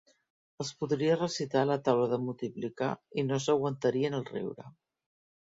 Els podria recitar la taula de multiplicar i no s'aguantarien el riure.